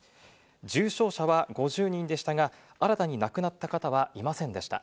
重症者は５０人でしたが、新たに亡くなった方はいませんでした。